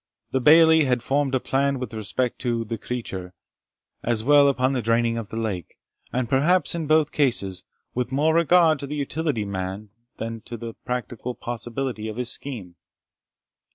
The Bailie had formed a plan with respect to "the creature," as well as upon the draining of the lake; and, perhaps in both cases, with more regard to the utility than to the practical possibility of his scheme.